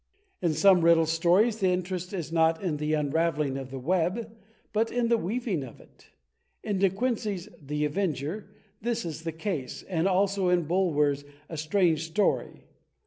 In some Riddle Stories the interest is not in the unraveling of the web, but in the weaving of it. In De Quincey's "The Avenger" this is the case, and also in Bulwer's "A Strange Story."